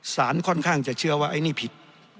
ค่อนข้างจะเชื่อว่าไอ้นี่ผิด